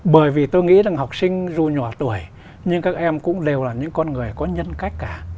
bởi vì tôi nghĩ rằng học sinh dù nhỏ tuổi nhưng các em cũng đều là những con người có nhân cách cả